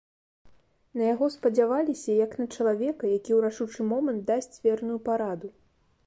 На яго спадзяваліся як на чалавека, які ў рашучы момант дасць верную параду.